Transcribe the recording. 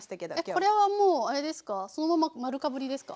これはもうあれですか？